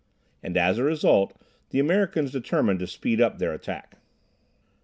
And as a result, the Americans determined to speed up their attack.